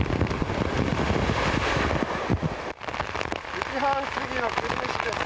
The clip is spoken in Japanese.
９時半すぎの久留米市です。